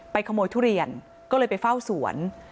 ขโมยทุเรียนก็เลยไปเฝ้าสวน